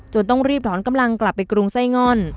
ต้องรีบถอนกำลังกลับไปกรุงไส้ง่อน